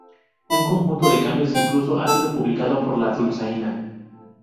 Un conjunto de cambios incluso ha sido publicado por la dulzaina!